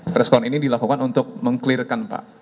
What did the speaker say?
preskron ini dilakukan untuk meng clearkan pak